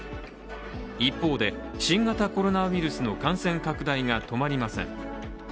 一方で、新型コロナウイルスの感染拡大が止まりません。